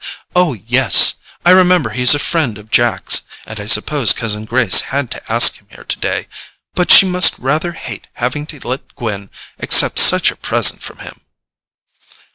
Oh, yes—I remember he's a friend of Jack's, and I suppose cousin Grace had to ask him here today; but she must rather hate having to let Gwen accept such a present from him."